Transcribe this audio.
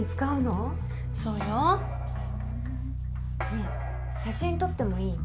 ねえ写真撮ってもいい？